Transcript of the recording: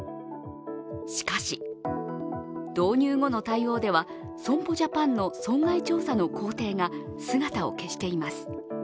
しかし、導入後の対応では、損保ジャパンの損害調査の工程が姿を消しています。